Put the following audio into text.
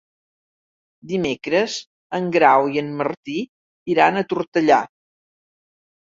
Dimecres en Grau i en Martí iran a Tortellà.